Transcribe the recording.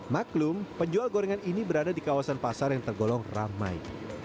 maklum penjual gorengan ini berada di kawasan pasar yang tergolong ramai